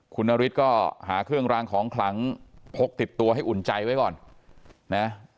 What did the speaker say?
คุณนฤทธิ์ก็หาเครื่องรางของขลังพกติดตัวให้อุ่นใจไว้ก่อนนะ